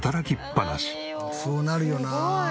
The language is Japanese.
そうなるよな。